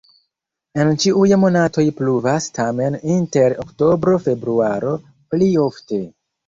En ĉiuj monatoj pluvas, tamen inter oktobro-februaro pli ofte.